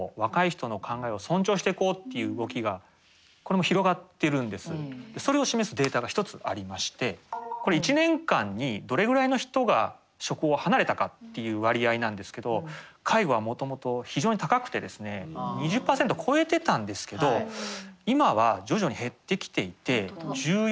で今退職者が減ったっていう話がありましたけど実はそれを示すデータが１つありましてこれ１年間にどれぐらいの人が職を離れたかっていう割合なんですけど介護はもともと非常に高くてですね２０％超えてたんですけど今は徐々に減ってきていて１４．３％。